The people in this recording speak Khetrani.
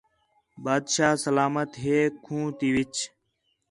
بادشاہ سلامت ہے کھوں تی وِچ